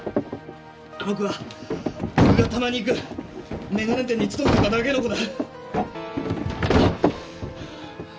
あの子は僕がたまに行く眼鏡店に勤めてただけの子だ。